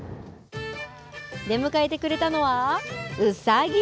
出迎えてくれたのは、うさぎ。